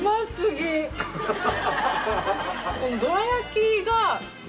このどら焼きが。